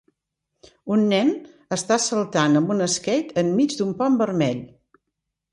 Un nen està saltant amb un skate enmig d'un pont vermell.